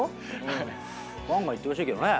がんがんいってほしいけどね。